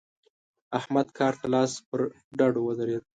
احمد کار ته لاس پر ډډو ودرېد.